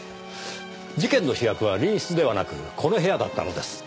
事件の主役は隣室ではなくこの部屋だったのです。